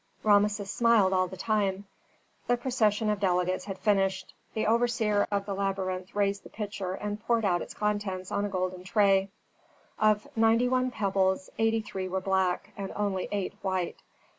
Rameses smiled all the time. The procession of delegates had finished. The overseer of the labyrinth raised the pitcher and poured out its contents on a golden tray. Of ninety one pebbles eighty three were black and only eight white.